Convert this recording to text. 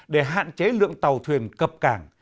để hạn chế lượng tàu thuyền cập cảng